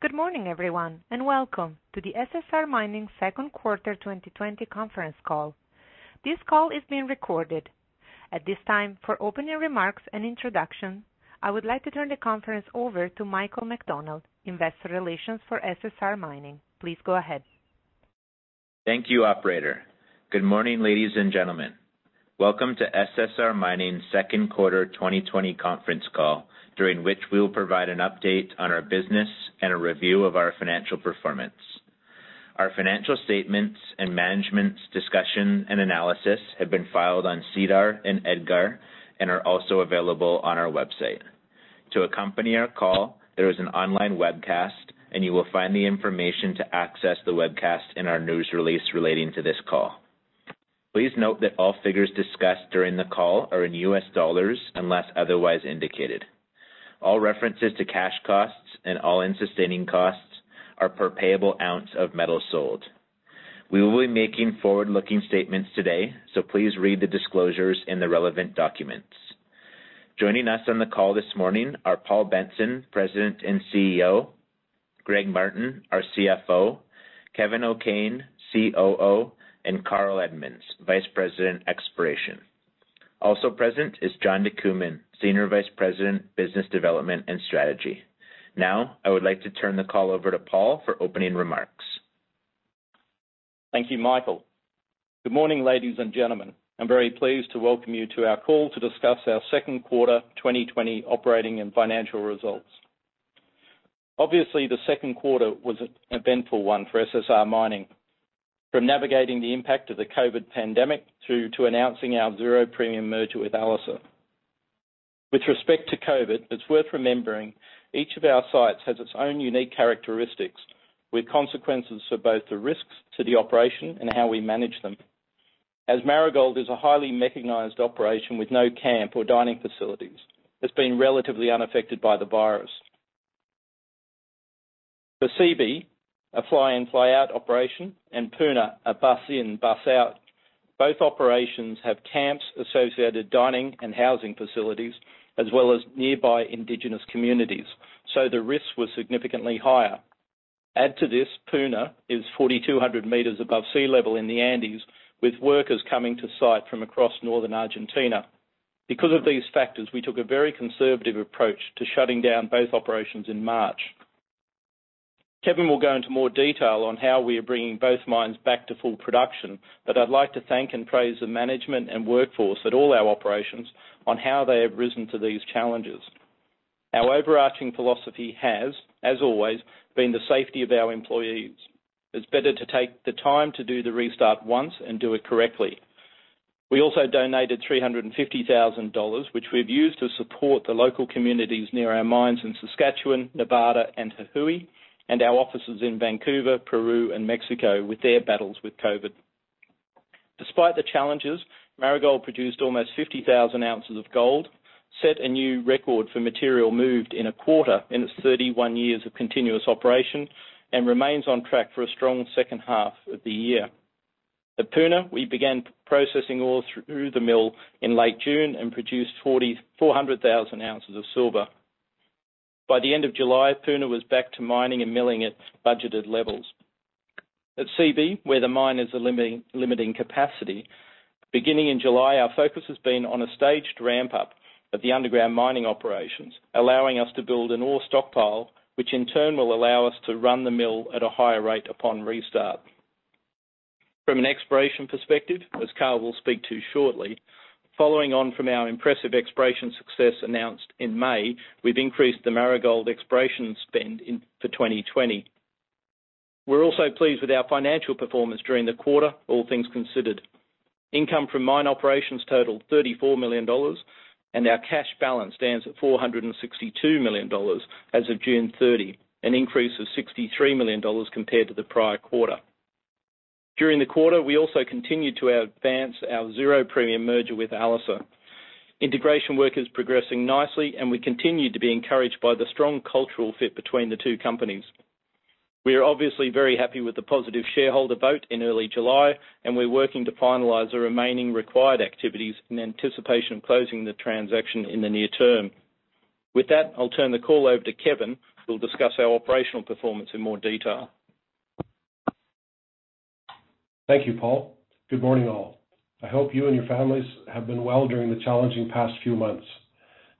Good morning, everyone, welcome to the SSR Mining second quarter 2020 conference call. This call is being recorded. At this time, for opening remarks and introduction, I would like to turn the conference over to Michael McDonald, Investor Relations for SSR Mining. Please go ahead. Thank you, operator. Good morning, ladies and gentlemen. Welcome to SSR Mining's second quarter 2020 conference call, during which we will provide an update on our business and a review of our financial performance. Our financial statements and management's discussion and analysis have been filed on SEDAR and EDGAR and are also available on our website. To accompany our call, there is an online webcast, and you will find the information to access the webcast in our news release relating to this call. Please note that all figures discussed during the call are in U.S. dollars, unless otherwise indicated. All references to cash costs and all-in sustaining costs are per payable ounce of metal sold. We will be making forward-looking statements today, so please read the disclosures in the relevant documents. Joining us on the call this morning are Paul Benson, President and CEO, Greg Martin, our CFO, Kevin O'Kane, COO, and Carl Edmunds, Vice President, Exploration. Also present is John DeCooman, Senior Vice President, Business Development and Strategy. I would like to turn the call over to Paul for opening remarks. Thank you, Michael. Good morning, ladies and gentlemen. I'm very pleased to welcome you to our call to discuss our second quarter 2020 operating and financial results. The second quarter was an eventful one for SSR Mining, from navigating the impact of the COVID-19 pandemic through to announcing our zero premium merger with Alacer. With respect to COVID-19, it's worth remembering each of our sites has its own unique characteristics, with consequences for both the risks to the operation and how we manage them. As Marigold is a highly mechanized operation with no camp or dining facilities, it's been relatively unaffected by the virus. For Seabee, a fly-in fly-out operation, and Puna, a bus-in bus-out, both operations have camps, associated dining and housing facilities, as well as nearby Indigenous communities. The risks were significantly higher. Add to this, Puna is 4,200 m above sea level in the Andes, with workers coming to site from across northern Argentina. Because of these factors, we took a very conservative approach to shutting down both operations in March. Kevin will go into more detail on how we are bringing both mines back to full production. I'd like to thank and praise the management and workforce at all our operations on how they have risen to these challenges. Our overarching philosophy has, as always, been the safety of our employees. It's better to take the time to do the restart once and do it correctly. We also donated $350,000, which we've used to support the local communities near our mines in Saskatchewan, Nevada, and Tahoe, and our offices in Vancouver, Peru, and Mexico with their battles with COVID. Despite the challenges, Marigold produced almost 50,000 oz of gold, set a new record for material moved in a quarter in its 31 years of continuous operation, and remains on track for a strong second half of the year. At Puna, we began processing ore through the mill in late June and produced 400,000 oz of silver. By the end of July, Puna was back to mining and milling at budgeted levels. At Seabee, where the mine is limiting capacity, beginning in July, our focus has been on a staged ramp-up of the underground mining operations, allowing us to build an ore stockpile, which in turn will allow us to run the mill at a higher rate upon restart. From an exploration perspective, as Carl will speak to shortly, following on from our impressive exploration success announced in May, we've increased the Marigold exploration spend for 2020. We're also pleased with our financial performance during the quarter, all things considered. Income from mine operations totaled $34 million, and our cash balance stands at $462 million as of June 30, an increase of $63 million compared to the prior quarter. During the quarter, we also continued to advance our zero premium merger with Alacer. Integration work is progressing nicely, and we continue to be encouraged by the strong cultural fit between the two companies. We are obviously very happy with the positive shareholder vote in early July, and we're working to finalize the remaining required activities in anticipation of closing the transaction in the near term. With that, I'll turn the call over to Kevin, who will discuss our operational performance in more detail. Thank you, Paul. Good morning, all. I hope you and your families have been well during the challenging past few months.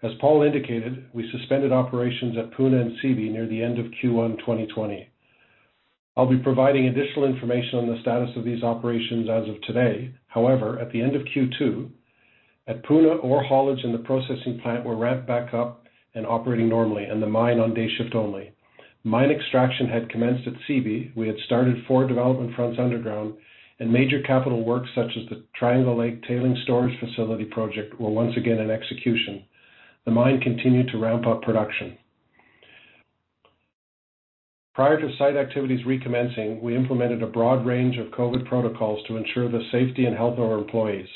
As Paul indicated, we suspended operations at Puna and Seabee near the end of Q1 2020. I'll be providing additional information on the status of these operations as of today. However, at the end of Q2, at Puna, ore haulage and the processing plant were ramped back up and operating normally, and the mine on day shift only. Mine extraction had commenced at Seabee. We had started four development fronts underground, and major capital works such as the Triangle Lake Tailings Storage Facility project were once again in execution. The mine continued to ramp up production. Prior to site activities recommencing, we implemented a broad range of COVID protocols to ensure the safety and health of our employees.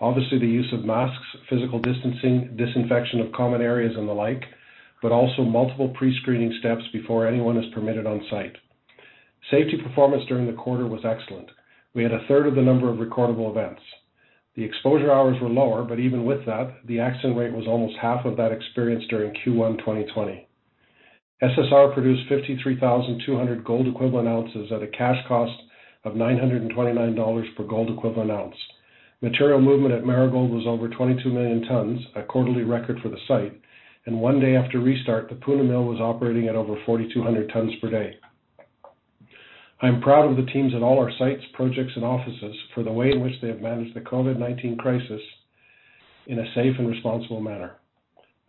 Obviously, the use of masks, physical distancing, disinfection of common areas and the like, but also multiple pre-screening steps before anyone is permitted on site. Safety performance during the quarter was excellent. We had 1/3 of the number of recordable events. The exposure hours were lower, but even with that, the accident rate was almost half of that experienced during Q1 2020. SSR produced 53,200 gold equivalent ounces at a cash cost of $929 per gold equivalent ounce. Material movement at Marigold was over 22 million tons, a quarterly record for the site, and one day after restart, the Puna mill was operating at over 4,200 tons per day. I'm proud of the teams at all our sites, projects, and offices for the way in which they have managed the COVID-19 crisis in a safe and responsible manner.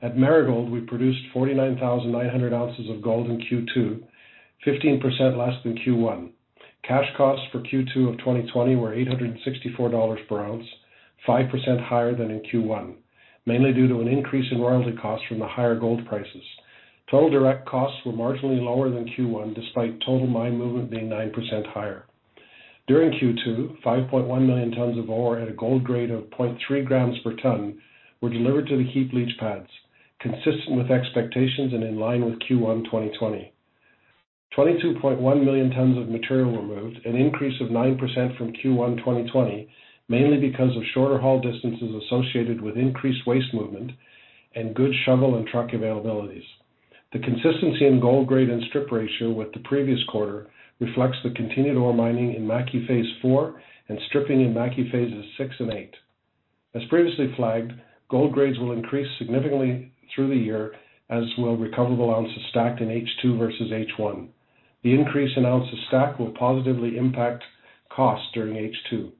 At Marigold, we produced 49,900 oz of gold in Q2, 15% less than Q1. Cash costs for Q2 of 2020 were $864 per ounce, 5% higher than in Q1, mainly due to an increase in royalty costs from the higher gold prices. Total direct costs were marginally lower than Q1, despite total mine movement being 9% higher. During Q2, 5.1 million tons of ore at a gold grade of 0.3 g per ton were delivered to the heap leach pads, consistent with expectations and in line with Q1 2020. 22.1 million tons of material were moved, an increase of 9% from Q1 2020, mainly because of shorter haul distances associated with increased waste movement and good shovel and truck availabilities. The consistency in gold grade and strip ratio with the previous quarter reflects the continued ore mining in Mackay Phase IV and stripping in Mackay Phases VI and VIII. As previously flagged, gold grades will increase significantly through the year, as will recoverable ounces stacked in H2 versus H1. The increase in ounces stacked will positively impact costs during H2.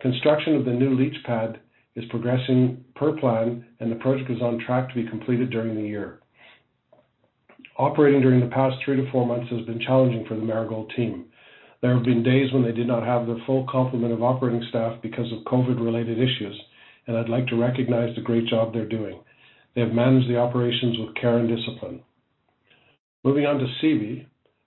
Construction of the new leach pad is progressing per plan. The project is on track to be completed during the year. Operating during the past three to four months has been challenging for the Marigold team. There have been days when they did not have their full complement of operating staff because of COVID-related issues, and I'd like to recognize the great job they're doing. They have managed the operations with care and discipline. Moving on to Seabee,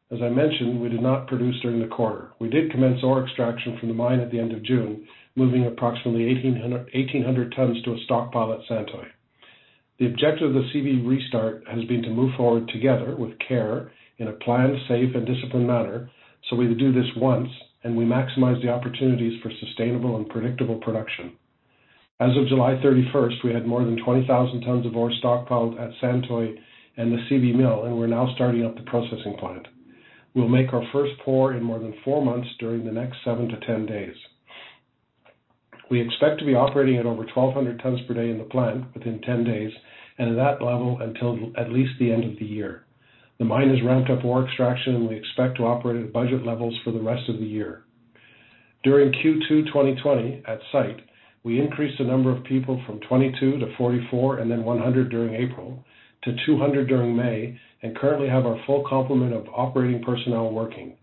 as I mentioned, we did not produce during the quarter. We did commence ore extraction from the mine at the end of June, moving approximately 1,800 tons to a stockpile at Santoy. The objective of the Seabee restart has been to move forward together with care in a planned, safe, and disciplined manner, so we would do this once, and we maximize the opportunities for sustainable and predictable production. As of July 31st, we had more than 20,000 tons of ore stockpiled at Santoy and the Seabee mill, and we're now starting up the processing plant. We'll make our first pour in more than four months during the next seven to 10 days. We expect to be operating at over 1,200 tons per day in the plant within 10 days, and at that level until at least the end of the year. The mine has ramped up ore extraction, and we expect to operate at budget levels for the rest of the year. During Q2 2020, at site, we increased the number of people from 22 to 44, and then 100 during April, to 200 during May, and currently have our full complement of operating personnel working.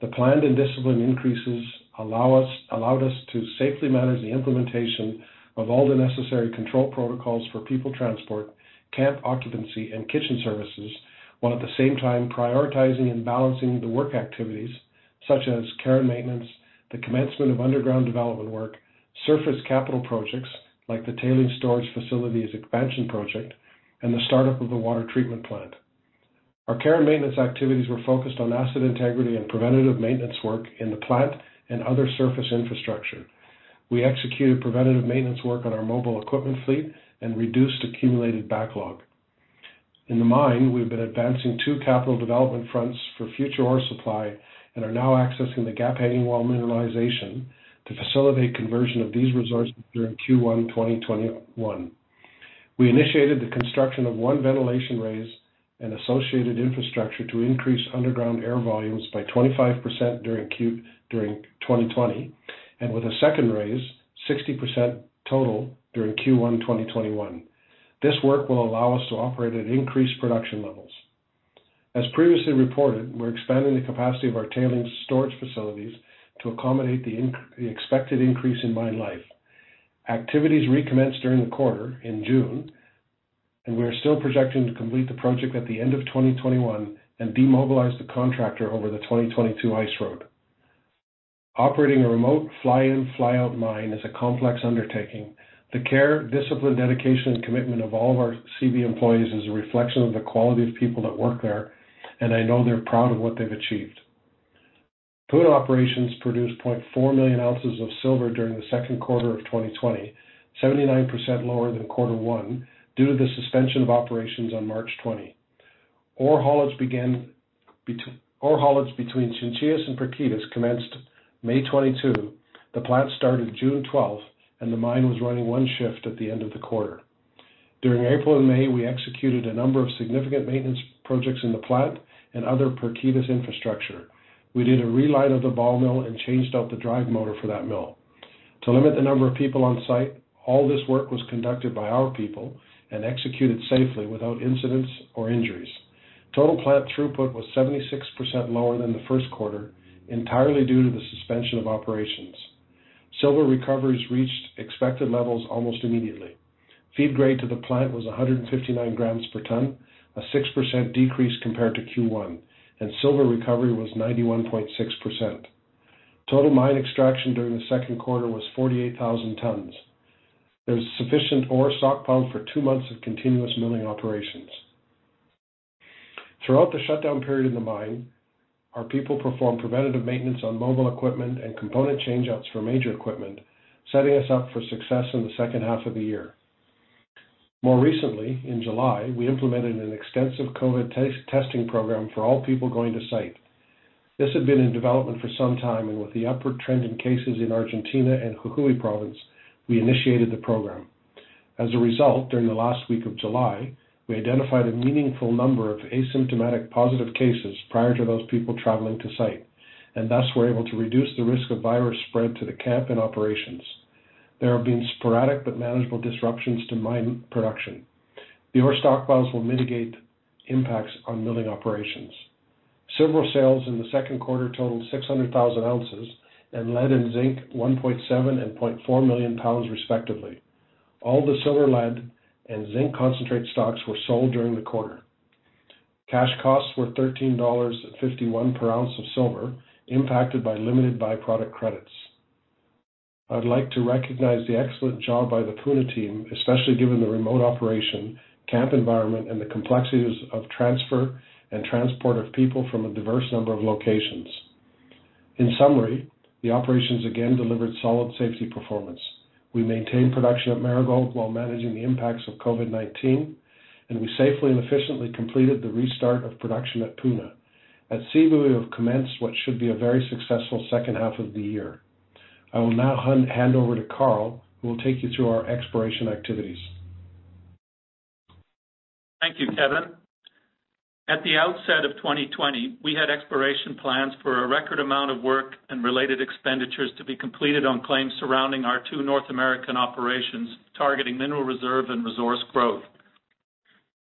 The planned and disciplined increases allowed us to safely manage the implementation of all the necessary control protocols for people transport, camp occupancy, and kitchen services, while at the same time prioritizing and balancing the work activities such as care and maintenance, the commencement of underground development work, surface capital projects like the tailings storage facilities expansion project, and the startup of the water treatment plant. Our care and maintenance activities were focused on asset integrity and preventative maintenance work in the plant and other surface infrastructure. We executed preventative maintenance work on our mobile equipment fleet and reduced accumulated backlog. In the mine, we've been advancing two capital development fronts for future ore supply and are now accessing the gap hanging wall mineralization to facilitate conversion of these resources during Q1 2021. We initiated the construction of one ventilation raise and associated infrastructure to increase underground air volumes by 25% during 2020, and with a second raise, 60% total during Q1 2021. This work will allow us to operate at increased production levels. As previously reported, we're expanding the capacity of our tailings storage facilities to accommodate the expected increase in mine life. Activities recommenced during the quarter in June, and we are still projecting to complete the project at the end of 2021 and demobilize the contractor over the 2022 ice road. Operating a remote fly-in fly-out mine is a complex undertaking. The care, discipline, dedication, and commitment of all of our Seabee employees is a reflection of the quality of people that work there, and I know they're proud of what they've achieved. Puna Operations produced 0.4 million ounces of silver during the second quarter of 2020, 79% lower than quarter one due to the suspension of operations on March 20. Ore haulage between Chinchillas and Pirquitas commenced May 22. The plant started June 12th, and the mine was running one shift at the end of the quarter. During April and May, we executed a number of significant maintenance projects in the plant and other Pirquitas infrastructure. We did a reline of the ball mill and changed out the drive motor for that mill. To limit the number of people on site, all this work was conducted by our people and executed safely without incidents or injuries. Total plant throughput was 76% lower than the first quarter, entirely due to the suspension of operations. Silver recoveries reached expected levels almost immediately. Feed grade to the plant was 159 g per ton, a 6% decrease compared to Q1, and silver recovery was 91.6%. Total mine extraction during the second quarter was 48,000 tons. There's sufficient ore stockpiled for two months of continuous milling operations. Throughout the shutdown period in the mine, our people performed preventative maintenance on mobile equipment and component change-outs for major equipment, setting us up for success in the second half of the year. More recently, in July, we implemented an extensive COVID testing program for all people going to site. This had been in development for some time, and with the upward trend in cases in Argentina and Jujuy province, we initiated the program. As a result, during the last week of July, we identified a meaningful number of asymptomatic positive cases prior to those people traveling to site, and thus were able to reduce the risk of virus spread to the camp and operations. There have been sporadic but manageable disruptions to mine production. The ore stockpiles will mitigate impacts on milling operations. Silver sales in the second quarter totaled 600,000 oz, and lead and zinc, 1.7 million pounds and 0.4 million pounds respectively. All the silver, lead, and zinc concentrate stocks were sold during the quarter. Cash costs were $13.51 per ounce of silver, impacted by limited by-product credits. I'd like to recognize the excellent job by the Puna team, especially given the remote operation, camp environment, and the complexities of transfer and transport of people from a diverse number of locations. In summary, the operations again delivered solid safety performance. We maintained production at Marigold while managing the impacts of COVID-19, and we safely and efficiently completed the restart of production at Puna. At Seabee, we have commenced what should be a very successful second half of the year. I will now hand over to Carl, who will take you through our exploration activities. Thank you, Kevin. At the outset of 2020, we had exploration plans for a record amount of work and related expenditures to be completed on claims surrounding our two North American operations targeting mineral reserve and resource growth.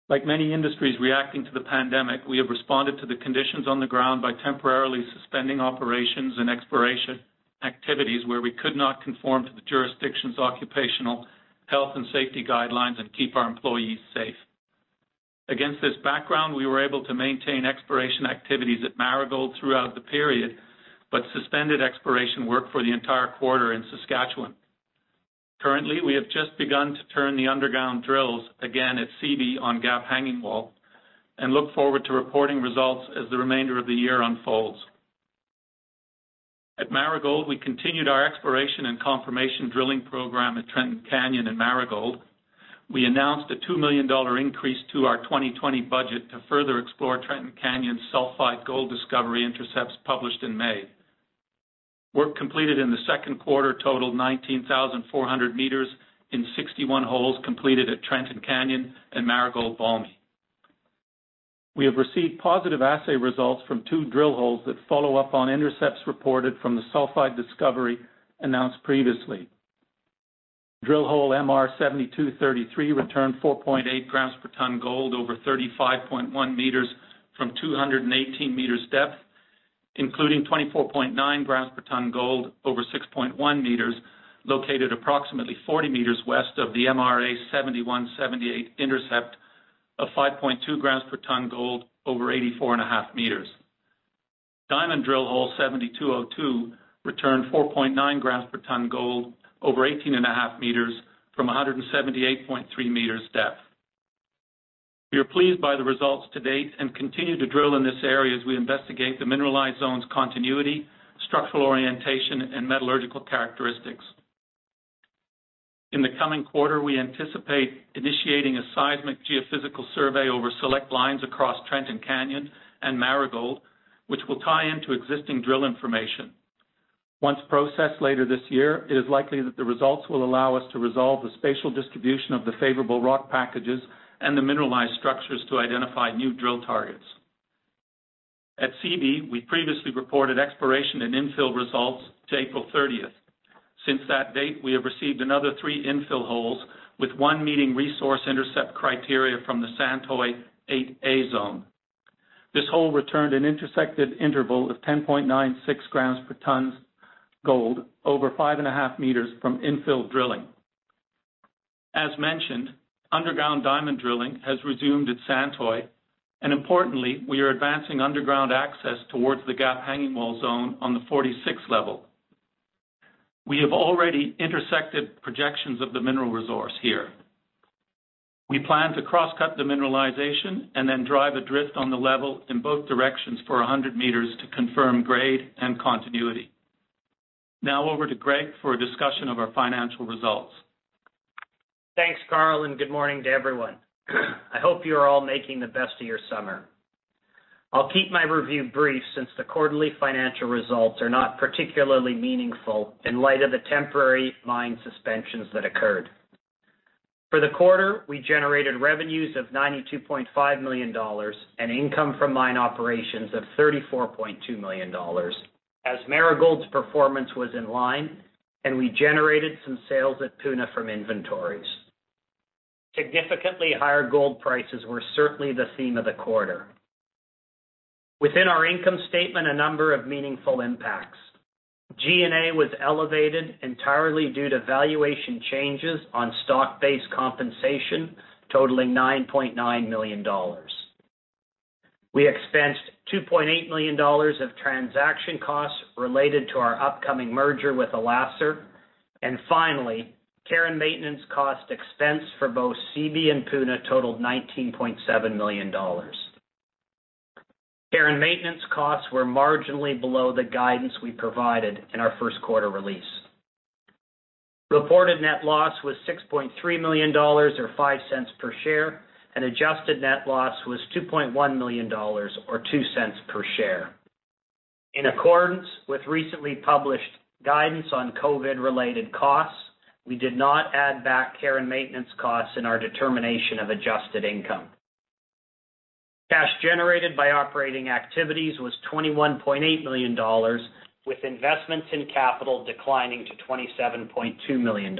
Like many industries reacting to the pandemic, we have responded to the conditions on the ground by temporarily suspending operations and exploration activities where we could not conform to the jurisdiction's occupational health and safety guidelines and keep our employees safe. Against this background, we were able to maintain exploration activities at Marigold throughout the period, but suspended exploration work for the entire quarter in Saskatchewan. Currently, we have just begun to turn the underground drills again at Seabee on Gap Hanging Wall, and look forward to reporting results as the remainder of the year unfolds. At Marigold, we continued our exploration and confirmation drilling program at Trenton Canyon and Marigold. We announced a $2 million increase to our 2020 budget to further explore Trenton Canyon's sulfide gold discovery intercepts published in May. Work completed in the second quarter totaled 19,400 m in 61 holes completed at Trenton Canyon and Marigold Vault. We have received positive assay results from two drill holes that follow up on intercepts reported from the sulfide discovery announced previously. Drill hole MR7233 returned 4.8 g per ton gold over 35.1 m from 218 m depth, including 24.9 g per ton gold over 6.1 m, located approximately 40 m west of the MRA7178 intercept of 5.2 g per ton gold over 84.5 m. Diamond drill hole 7202 returned 4.9 g per ton gold over 18.5 m from 178.3 m depth. We are pleased by the results to date and continue to drill in this area as we investigate the mineralized zone's continuity, structural orientation, and metallurgical characteristics. In the coming quarter, we anticipate initiating a seismic geophysical survey over select lines across Trenton Canyon and Marigold, which will tie into existing drill information. Once processed later this year, it is likely that the results will allow us to resolve the spatial distribution of the favorable rock packages and the mineralized structures to identify new drill targets. At Seabee, we previously reported exploration and infill results to April 30th. Since that date, we have received another three infill holes, with one meeting resource intercept criteria from the Santoy 8A zone. This hole returned an intersected interval of 10.96 g per ton gold over 5.5 m from infill drilling. As mentioned, underground diamond drilling has resumed at Santoy, and importantly, we are advancing underground access towards the Gap Hanging Wall zone on the 46 level. We have already intersected projections of the mineral resource here. We plan to cross-cut the mineralization and then drive a drift on the level in both directions for 100 m to confirm grade and continuity. Now over to Greg for a discussion of our financial results. Thanks, Carl, good morning to everyone. I hope you are all making the best of your summer. I'll keep my review brief since the quarterly financial results are not particularly meaningful in light of the temporary mine suspensions that occurred. For the quarter, we generated revenues of $92.5 million and income from mine operations of $34.2 million, as Marigold's performance was in line and we generated some sales at Puna from inventories. Significantly higher gold prices were certainly the theme of the quarter. Within our income statement, a number of meaningful impacts. G&A was elevated entirely due to valuation changes on stock-based compensation totaling $9.9 million. We expensed $2.8 million of transaction costs related to our upcoming merger with Alacer. Finally, care and maintenance cost expense for both Seabee and Puna totaled $19.7 million. Care and maintenance costs were marginally below the guidance we provided in our first quarter release. Reported net loss was $6.3 million, or $0.05 per share, and adjusted net loss was $2.1 million, or $0.02 per share. In accordance with recently published guidance on COVID-related costs, we did not add back care and maintenance costs in our determination of adjusted income. Cash generated by operating activities was $21.8 million, with investments in capital declining to $27.2 million.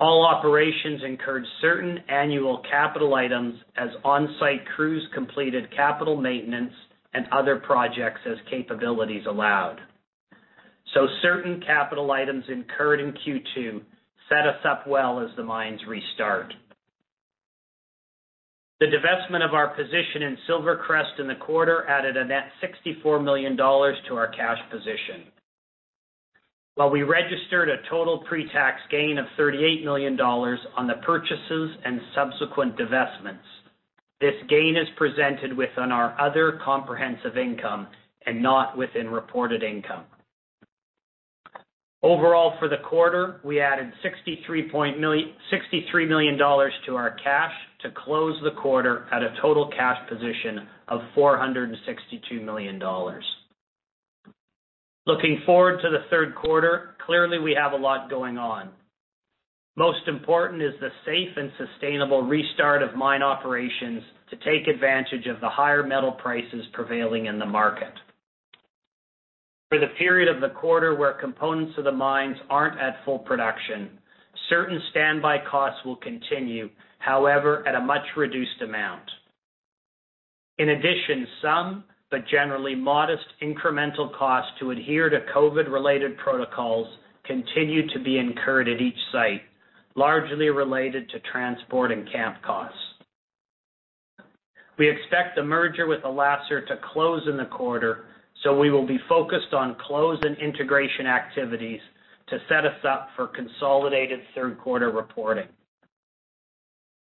All operations incurred certain annual capital items as on-site crews completed capital maintenance and other projects as capabilities allowed. Certain capital items incurred in Q2 set us up well as the mines restart. The divestment of our position in SilverCrest in the quarter added a net $64 million to our cash position. While we registered a total pre-tax gain of $38 million on the purchases and subsequent divestments, this gain is presented within our other comprehensive income and not within reported income. Overall, for the quarter, we added $63 million to our cash to close the quarter at a total cash position of $462 million. Looking forward to the third quarter, clearly we have a lot going on. Most important is the safe and sustainable restart of mine operations to take advantage of the higher metal prices prevailing in the market. For the period of the quarter where components of the mines aren't at full production, certain standby costs will continue, however, at a much reduced amount. In addition, some, but generally modest, incremental costs to adhere to COVID-related protocols continue to be incurred at each site, largely related to transport and camp costs. We expect the merger with Alacer to close in the quarter, so we will be focused on close and integration activities to set us up for consolidated third quarter reporting.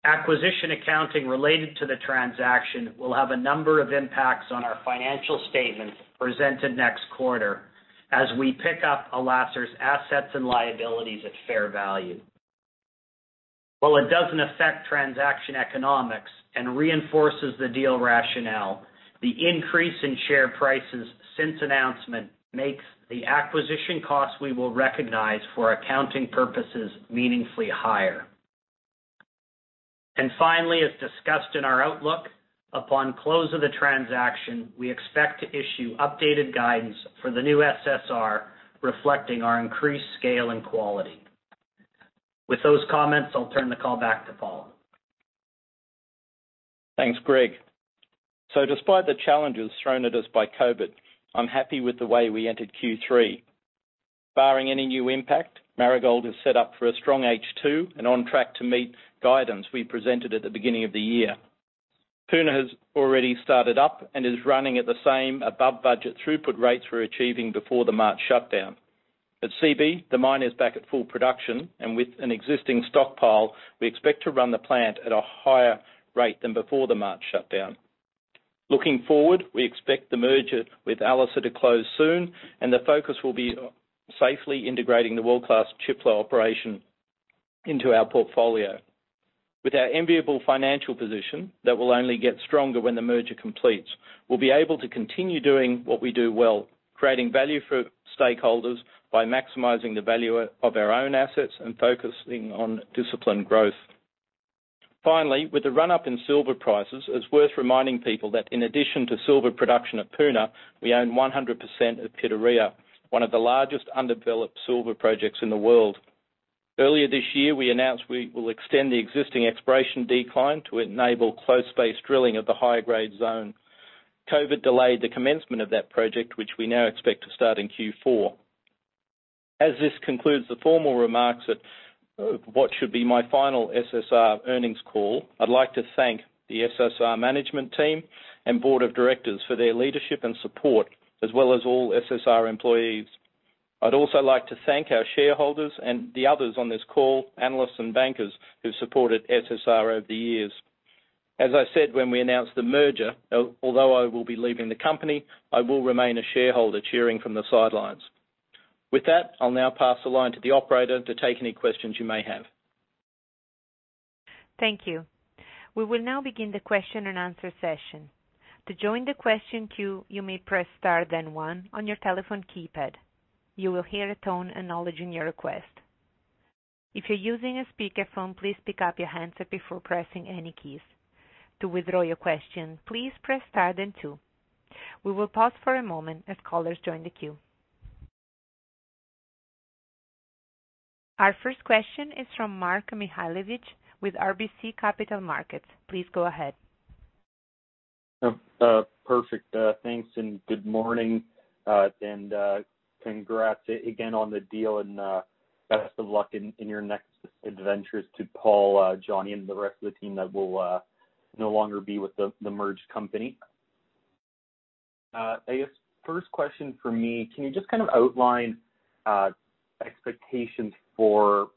Acquisition accounting related to the transaction will have a number of impacts on our financial statements presented next quarter, as we pick up Alacer's assets and liabilities at fair value. While it doesn't affect transaction economics and reinforces the deal rationale, the increase in share prices since announcement makes the acquisition cost we will recognize for accounting purposes meaningfully higher. Finally, as discussed in our outlook, upon close of the transaction, we expect to issue updated guidance for the new SSR reflecting our increased scale and quality. With those comments, I'll turn the call back to Paul. Thanks, Greg. Despite the challenges thrown at us by COVID-19, I'm happy with the way we entered Q3. Barring any new impact, Marigold is set up for a strong H2 and on track to meet guidance we presented at the beginning of the year. Puna has already started up and is running at the same above-budget throughput rates we were achieving before the March shutdown. At Seabee, the mine is back at full production, and with an existing stockpile, we expect to run the plant at a higher rate than before the March shutdown. Looking forward, we expect the merger with Alacer to close soon, and the focus will be on safely integrating the world-class Çöpler operation into our portfolio. With our enviable financial position that will only get stronger when the merger completes, we'll be able to continue doing what we do well, creating value for stakeholders by maximizing the value of our own assets and focusing on disciplined growth. Finally, with the run-up in silver prices, it's worth reminding people that in addition to silver production at Puna, we own 100% of Pitarrilla, one of the largest undeveloped silver projects in the world. Earlier this year, we announced we will extend the existing exploration decline to enable close-space drilling of the higher-grade zone. COVID delayed the commencement of that project, which we now expect to start in Q4. As this concludes the formal remarks at what should be my final SSR earnings call, I'd like to thank the SSR management team and board of directors for their leadership and support, as well as all SSR employees. I'd also like to thank our shareholders and the others on this call, analysts and bankers, who've supported SSR over the years. As I said when we announced the merger, although I will be leaving the company, I will remain a shareholder cheering from the sidelines. With that, I'll now pass the line to the operator to take any questions you may have. Thank you. We will now begin the question-and-answer session. To join the question queue, you may press star then one on your telephone keypad. You will hear a tone acknowledging your request. If you're using a speakerphone, please pick up your handset before pressing any keys. To withdraw your question, please press star then two. We will pause for a moment as callers join the queue. Our first question is from Mark Mihaljevic with RBC Capital Markets. Please go ahead. Perfect. Thanks, good morning, congrats again on the deal and best of luck in your next adventures to Paul, Johnny, and the rest of the team that will no longer be with the merged company. I guess first question from me, can you just outline expectations for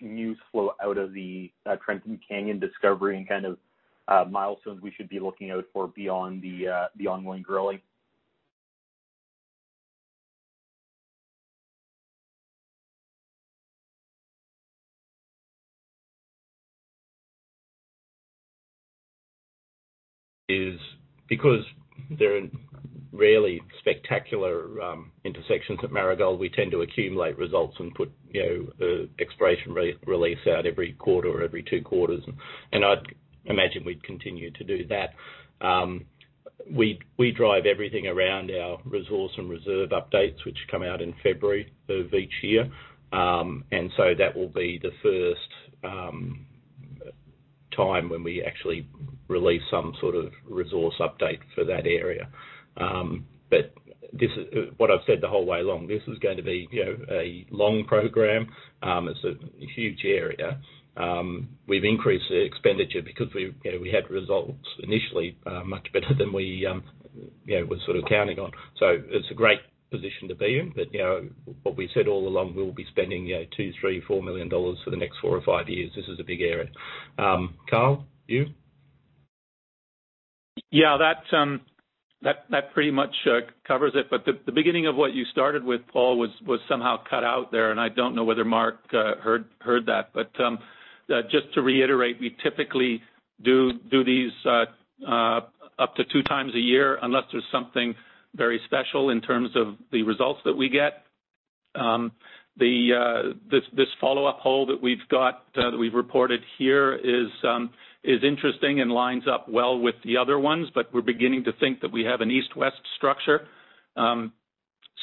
news flow out of the Trenton Canyon discovery and milestones we should be looking out for beyond the ongoing drilling? Is because they're rarely spectacular intersections at Marigold, we tend to accumulate results and put exploration release out every quarter or every two quarters. I'd imagine we'd continue to do that. We drive everything around our resource and reserve updates, which come out in February of each year. That will be the first time when we actually release some sort of resource update for that area. What I've said the whole way along, this is going to be a long program. It's a huge area. We've increased the expenditure because we had results initially, much better than we were counting on. It's a great position to be in. What we said all along, we will be spending $2 million, $3 million, $4 million for the next four or five years. This is a big area. Carl, you? Yeah, that pretty much covers it. The beginning of what you started with, Paul, was somehow cut out there, and I don't know whether Mark heard that. Just to reiterate, we typically do these up to 2x a year, unless there's something very special in terms of the results that we get. This follow-up hole that we've got, that we've reported here is interesting and lines up well with the other ones. We're beginning to think that we have an east-west structure,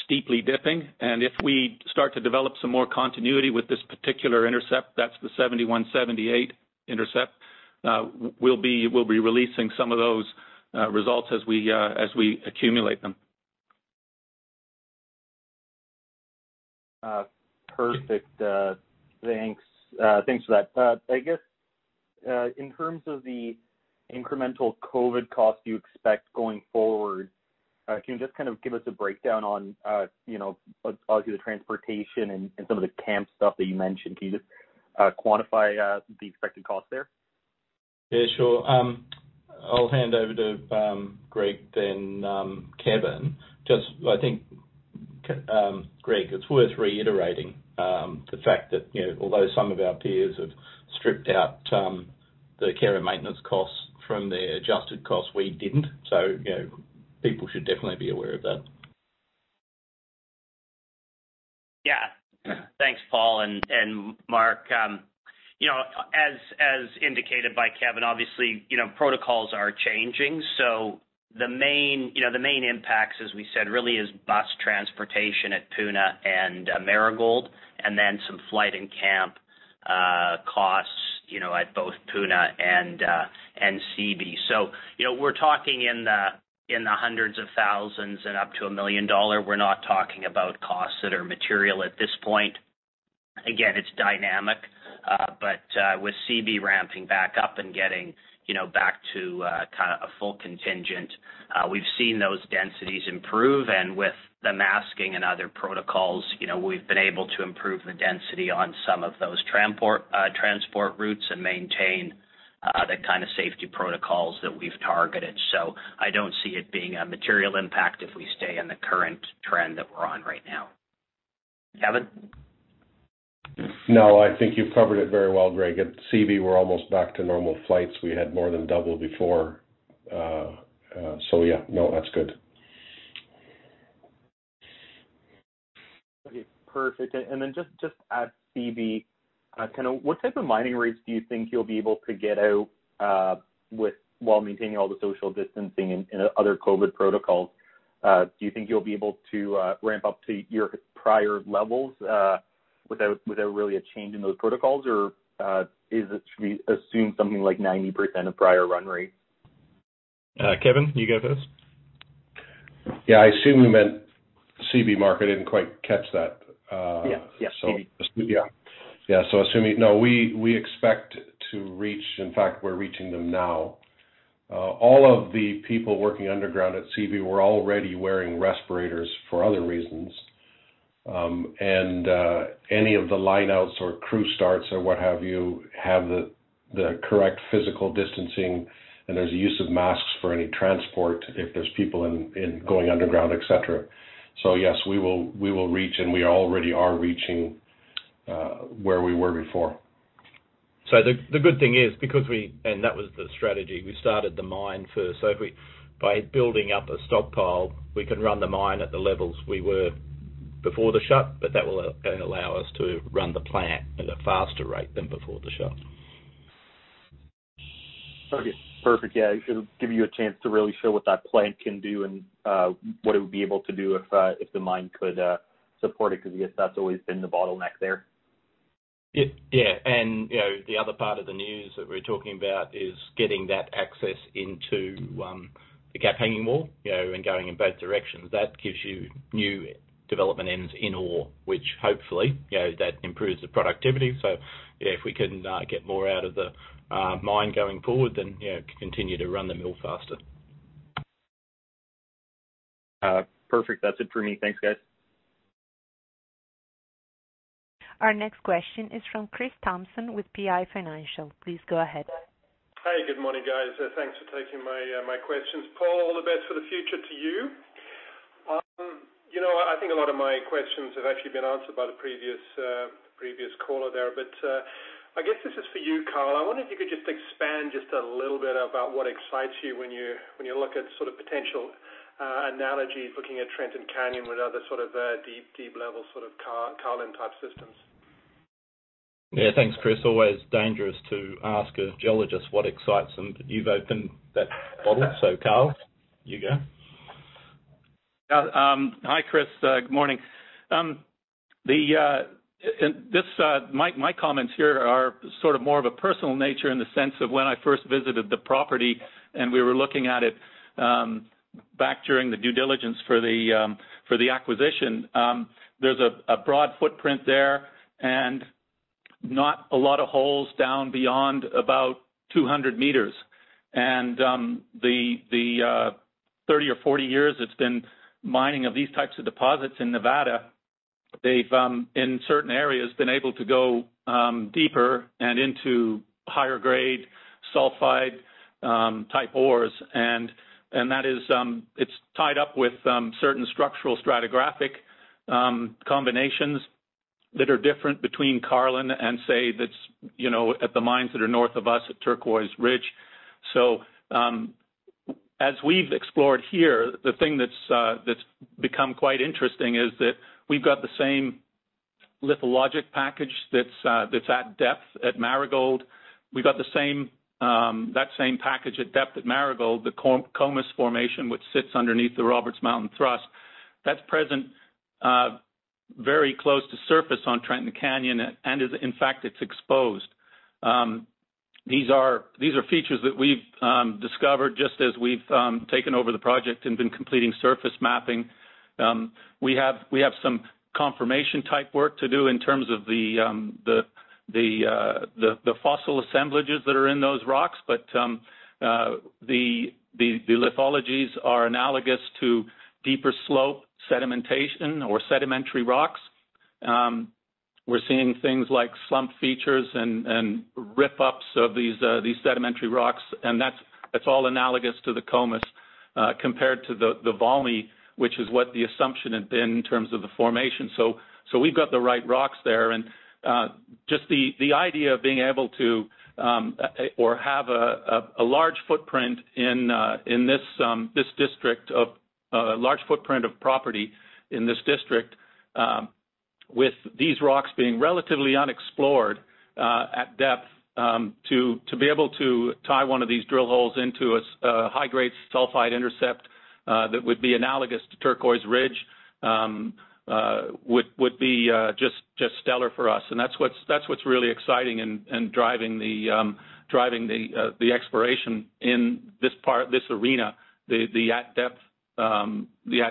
steeply dipping. If we start to develop some more continuity with this particular intercept, that's the MRA7178 intercept. We'll be releasing some of those results as we accumulate them. Perfect. Thanks for that. I guess, in terms of the incremental COVID costs you expect going forward, can you just give us a breakdown on all the transportation and some of the camp stuff that you mentioned. Can you just quantify the expected cost there? Yeah, sure. I'll hand over to Greg then Kevin. Just I think, Greg, it's worth reiterating, the fact that although some of our peers have stripped out the care and maintenance costs from their adjusted costs, we didn't. People should definitely be aware of that. Thanks, Paul and Mark. As indicated by Kevin, obviously, protocols are changing. The main impacts, as we said, really is bus transportation at Puna and Marigold, and then some flight and camp costs at both Puna and Seabee. We're talking in the hundreds of thousands and up to $1 million. We're not talking about costs that are material at this point. Again, it's dynamic. With Seabee ramping back up and getting back to a full contingent, we've seen those densities improve. With the masking and other protocols, we've been able to improve the density on some of those transport routes and maintain the kind of safety protocols that we've targeted. I don't see it being a material impact if we stay on the current trend that we're on right now. Kevin? I think you've covered it very well, Greg. At Seabee, we're almost back to normal flights. We had more than double before. Yeah. That's good. Okay, perfect. Then just at Seabee, what type of mining rates do you think you'll be able to get out while maintaining all the social distancing and other COVID protocols? Do you think you'll be able to ramp up to your prior levels, without really a change in those protocols? Or, should we assume something like 90% of prior run rate? Kevin, you got this? I assume you meant Seabee, Mark. I didn't quite catch that. Yeah. Seabee. Yeah. We expect to reach, in fact, we're reaching them now. All of the people working underground at Seabee were already wearing respirators for other reasons. Any of the line outs or crew starts or what have you, have the correct physical distancing, and there's a use of masks for any transport if there's people going underground, et cetera. Yes, we will reach, and we already are reaching where we were before. The good thing is, and that was the strategy. We started the mine first. By building up a stockpile, we can run the mine at the levels we were before the shut, that will then allow us to run the plant at a faster rate than before the shut. Okay. Perfect. Yeah, it'll give you a chance to really show what that plant can do and what it would be able to do if the mine could support it, because I guess that's always been the bottleneck there. Yeah. The other part of the news that we're talking about is getting that access into the Gap Hanging Wall and going in both directions. That gives you new development ends in ore, which hopefully, that improves the productivity. If we can get more out of the mine going forward, then continue to run the mill faster. Perfect. That's it for me. Thanks, guys. Our next question is from Kris Thompson with PI Financial. Please go ahead. Hey, good morning, guys. Thanks for taking my questions. Paul, all the best for the future to you. I think a lot of my questions have actually been answered by the previous caller there. I guess this is for you, Carl. I wonder if you could just expand just a little bit about what excites you when you look at potential analogies, looking at Trenton Canyon with other sort of deep level Carlin-type systems. Yeah. Thanks, Kris. Always dangerous to ask a geologist what excites them. You've opened that bottle. Carl, you go. Hi, Kris. Good morning. My comments here are more of a personal nature in the sense of when I first visited the property and we were looking at it back during the due diligence for the acquisition. There's a broad footprint there and not a lot of holes down beyond about 200 m. The 30 years or 40 years it's been mining of these types of deposits in Nevada, they've, in certain areas, been able to go deeper and into higher grade sulfide type ores. It's tied up with certain structural stratigraphic combinations that are different between Carlin-type and say, at the mines that are north of us at Turquoise Ridge. As we've explored here, the thing that's become quite interesting is that we've got the same lithologic package that's at depth at Marigold. We've got that same package at depth at Marigold, the Comus Formation, which sits underneath the Roberts Mountains Thrust, that's present very close to surface on Trenton Canyon, and in fact, it's exposed. These are features that we've discovered just as we've taken over the project and been completing surface mapping. We have some confirmation type work to do in terms of the fossil assemblages that are in those rocks. The lithologies are analogous to deeper slope sedimentation or sedimentary rocks. We're seeing things like slump features and rip-ups of these sedimentary rocks, and that's all analogous to the Comus compared to the Valmy, which is what the assumption had been in terms of the formation. We've got the right rocks there. Just the idea of being able to have a large footprint of property in this district with these rocks being relatively unexplored at depth, to be able to tie one of these drill holes into a high-grade sulfide intercept that would be analogous to Turquoise Ridge would be just stellar for us. That's what's really exciting and driving the exploration in this arena, the at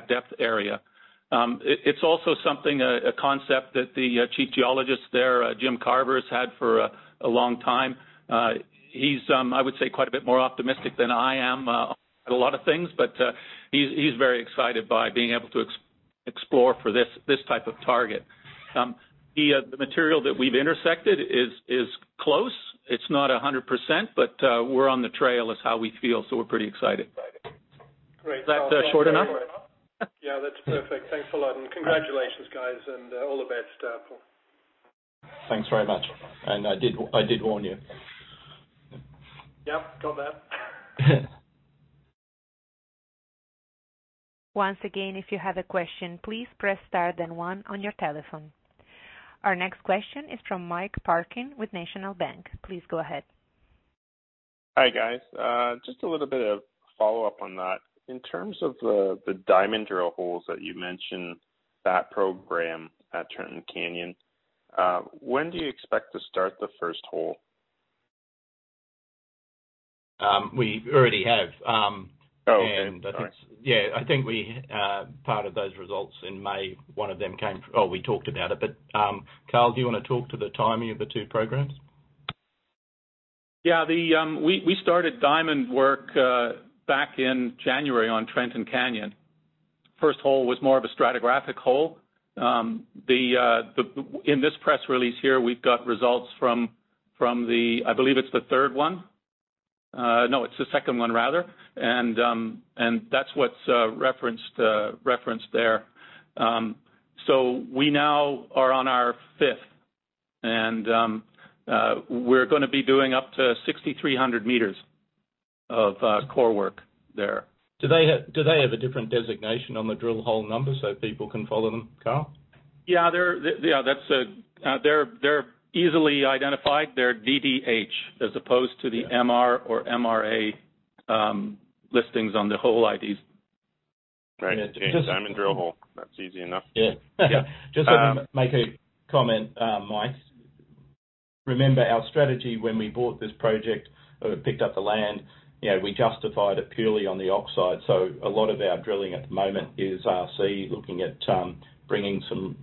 depth area. It's also something, a concept that the Chief Geologist there, Jim Carver, has had for a long time. He's, I would say, quite a bit more optimistic than I am at a lot of things. He's very excited by being able to explore for this type of target. The material that we've intersected is close. It's not 100%, but we're on the trail is how we feel. We're pretty excited. Great. Is that short enough? Yeah, that's perfect. Thanks a lot, and congratulations, guys, and all the best. Thanks very much. I did warn you. Yep. Got that. Once again, if you have a question, please press star then one on your telephone. Our next question is from Mike Parkin with National Bank. Please go ahead. Hi, guys. Just a little bit of follow-up on that. In terms of the diamond drill holes that you mentioned, that program at Trenton Canyon, when do you expect to start the first hole? We already have. Oh, okay. All right. Yeah, I think part of those results in May, we talked about it. Carl, do you want to talk to the timing of the two programs? Yeah. We started diamond work back in January on Trenton Canyon. First hole was more of a stratigraphic hole. In this press release here, we've got results from, I believe it's the third one. No, it's the second one rather. That's what's referenced there. We now are on our fifth, and we're going to be doing up to 6,300 m of core work there. Do they have a different designation on the drill hole number so people can follow them, Carl? Yeah. They're easily identified. They're DDH as opposed to the MR or MRA listings on the hole IDs. Great. Doing diamond drill hole. That's easy enough. Yeah. Just let me make a comment, Mike. Remember our strategy when we bought this project or picked up the land, we justified it purely on the oxide. A lot of our drilling at the moment is RC looking at bringing some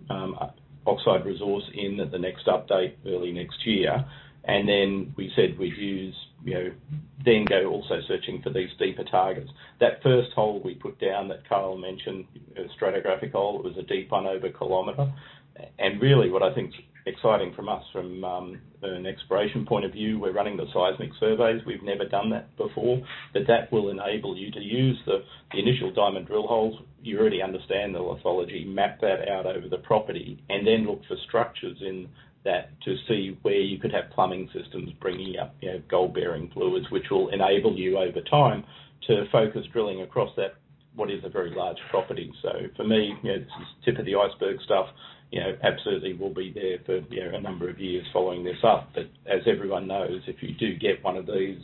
oxide resource in at the next update early next year. Then we said we'd use Dingo also searching for these deeper targets. That first hole we put down that Carl mentioned, a stratigraphic hole. It was a deep one over a kilometer. Really what I think is exciting from us from an exploration point of view, we're running the seismic surveys. We've never done that before. That will enable you to use the initial diamond drill holes. You already understand the lithology, map that out over the property, and then look for structures in that to see where you could have plumbing systems bringing up gold-bearing fluids, which will enable you over time to focus drilling across what is a very large property. For me, this is tip of the iceberg stuff. Absolutely we'll be there for a number of years following this up. As everyone knows, if you do get one of these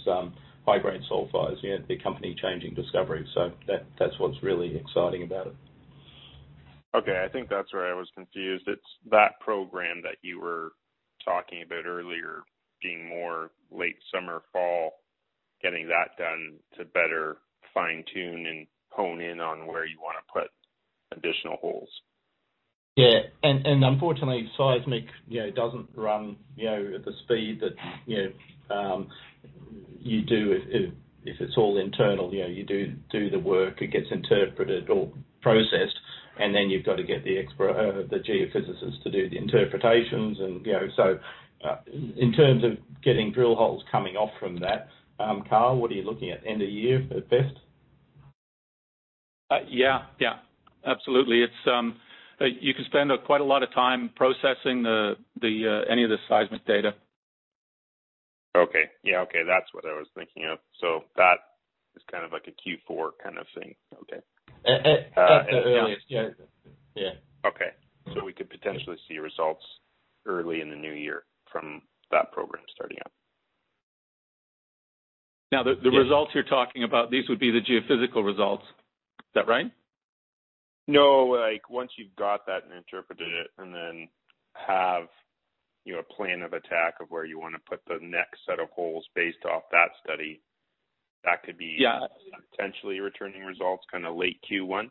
high-grade sulfides, it'd be a company-changing discovery. That's what's really exciting about it. Okay. I think that's where I was confused. It's that program that you were talking about earlier being more late summer, fall, getting that done to better fine-tune and hone in on where you want to put additional holes. Yeah. Unfortunately, seismic doesn't run at the speed that you do if it's all internal. You do the work, it gets interpreted or processed, and then you've got to get the geophysicists to do the interpretations. In terms of getting drill holes coming off from that, Carl, what are you looking at? End of year at best? Yeah. Absolutely. You can spend quite a lot of time processing any of the seismic data. Okay. Yeah, okay. That's what I was thinking of. That is like a Q4 kind of thing. Okay. At the earliest, yeah. Okay. We could potentially see results early in the new year from that program starting up. Now, the results you're talking about, these would be the geophysical results. Is that right? No, once you've got that and interpreted it, and then have a plan of attack of where you want to put the next set of holes based off that study. Yeah. Potentially returning results kind of late Q1,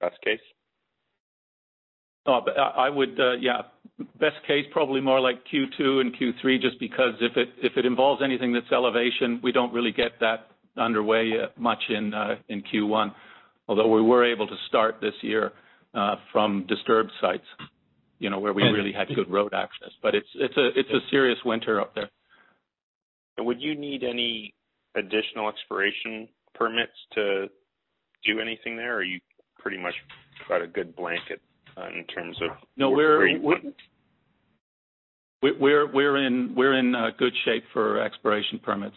best case? Yeah. Best case, probably more like Q2 and Q3, just because if it involves anything that's elevation, we don't really get that underway much in Q1. We were able to start this year from disturbed sites where we really had good road access. It's a serious winter up there. Would you need any additional exploration permits to do anything there, or you pretty much got a good blanket in terms of where? No, we're in good shape for exploration permits.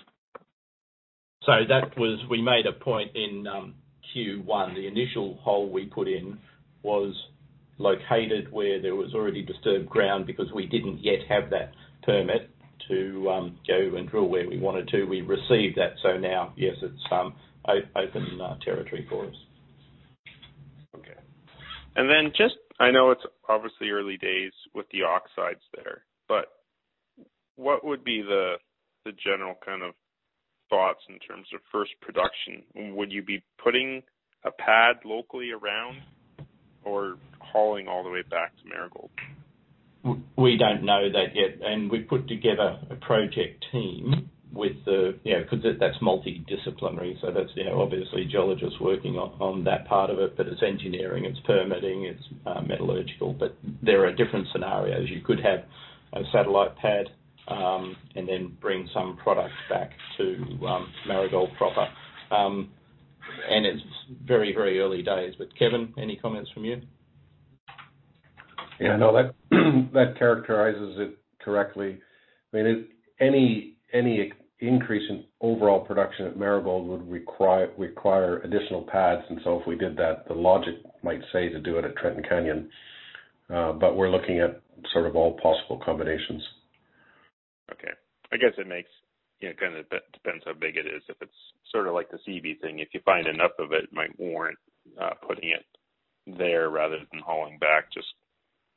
We made a point in Q1. The initial hole we put in was located where there was already disturbed ground because we didn't yet have that permit to go and drill where we wanted to. We received that, so now, yes, it's open territory for us. Okay. Just, I know it's obviously early days with the oxides there, what would be the general kind of thoughts in terms of first production? Would you be putting a pad locally around or hauling all the way back to Marigold? We don't know that yet. We put together a project team because that's multidisciplinary. That's obviously geologists working on that part of it, but it's engineering, it's permitting, it's metallurgical. There are different scenarios. You could have a satellite pad and then bring some products back to Marigold proper. It's very early days. Kevin, any comments from you? Yeah, no, that characterizes it correctly. Any increase in overall production at Marigold would require additional pads. If we did that, the logic might say to do it at Trenton Canyon. We're looking at sort of all possible combinations. Okay. I guess it kind of depends how big it is. If it's sort of like the Seabee thing, if you find enough of it might warrant putting it there rather than hauling back. Just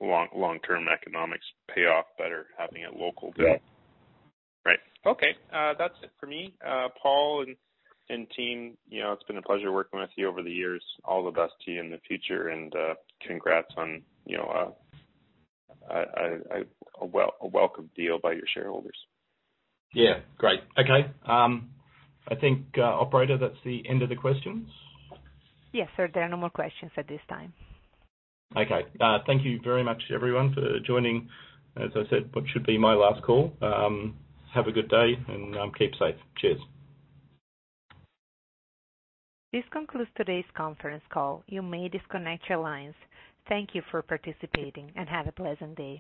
long-term economics pay off better having it local. Yeah. Right. Okay. That's it for me. Paul and team, it's been a pleasure working with you over the years. All the best to you in the future. Congrats on a welcome deal by your shareholders. Yeah. Great. Okay. I think, operator, that's the end of the questions. Yes, sir. There are no more questions at this time. Okay. Thank you very much, everyone, for joining, as I said, what should be my last call. Have a good day, and keep safe. Cheers. This concludes today's conference call. You may disconnect your lines. Thank you for participating, and have a pleasant day.